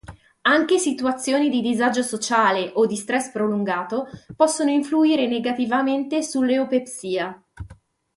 Anche situazioni di disagio sociale o di stress prolungato possono influire negativamente sull'eupepsia.